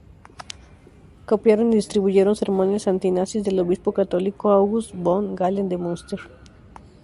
Copiaron y distribuyeron sermones anti-nazis del obispo católico August von Galen de Munster.